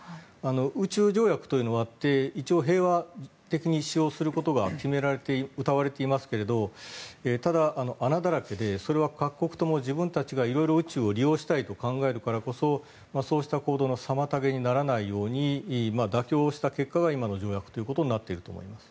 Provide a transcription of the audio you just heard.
宇宙条約というのがあって一応、平和的に使用することがうたわれていますけれどただ、穴だらけでそれは各国とも自分たちが色々、宇宙を利用したいと考えるからこそそうした行動の妨げにならないように妥協した結果が今の条約ということになっていると思います。